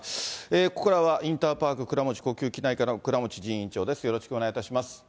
ここからはインターパーク倉持呼吸器科内科の倉持仁院長です。